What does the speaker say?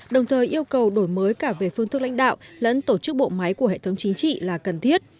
đồng thời yêu cầu đổi mới cả về phương thức lãnh đạo lẫn tổ chức bộ máy của hệ thống chính trị là cần thiết